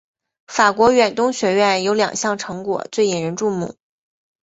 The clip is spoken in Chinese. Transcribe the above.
法国远东学院有两项成果最引人注目。